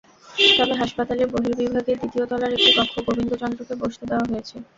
তবে হাসপাতালের বহির্বিভাগের দ্বিতীয় তলার একটি কক্ষ গোবিন্দ চন্দ্রকে বসতে দেওয়া হয়েছে।